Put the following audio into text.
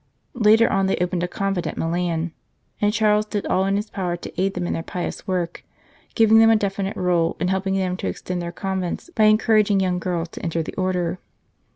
Later on they opened a convent at Milan, and Charles did all in his power to aid them in their pious work, giving them a definite rule, and helping them to extend their convents by encouraging young girls to enter the Order.